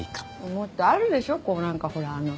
もっとあるでしょこうなんかほらあの。